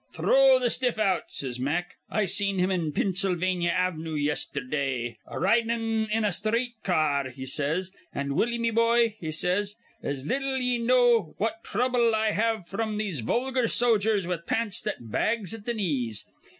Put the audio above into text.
'Throw th' stiff out,' says Mack. 'I seen him in Pinnsylvania Avnoo yisterdah, r ridin' in a sthreet ca ar,' he says. 'Ah, Willie, me boy,' he says, ''tis little ye know what throuble I have fr'm these vulgar sojers with pants that bags at th' knees.